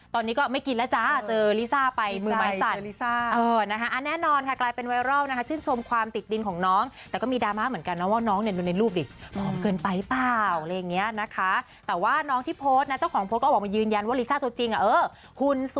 ตอนนี้ก็ไม่กินแล้วจ้าเจอลิซ่าไปมือไม้สั่น